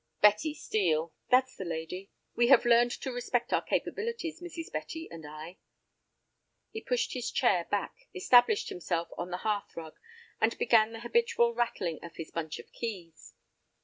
"Betty Steel." "That's the lady; we have learned to respect our capabilities, Mrs. Betty—and I." He pushed his chair back, established himself on the hearth rug, and began the habitual rattling of his bunch of keys.